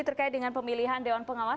terkait dengan pemilihan dewan pengawas